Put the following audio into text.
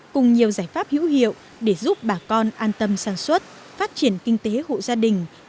cùng nhiều giải pháp hữu hiệu để giúp bà con an tâm sản xuất phát triển kinh tế hộ gia đình